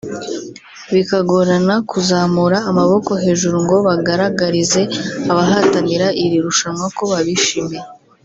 bikagorana kuzamura amaboko hejuru ngo bagaragarize abahatanira iri rushanwa ko babishimiye